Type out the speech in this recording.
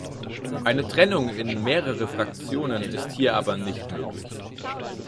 Eine Trennung in mehrere Fraktionen ist hier aber nicht möglich.